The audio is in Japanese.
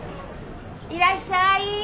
いらっしゃい。